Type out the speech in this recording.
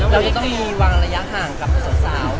แล้ววางระยะห่างกับสองสาว